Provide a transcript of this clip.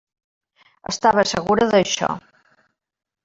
Estava segura d'això.